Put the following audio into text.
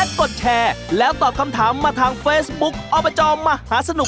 เอาแล้วถือว่าสำเร็จเพราะเราดูอยู่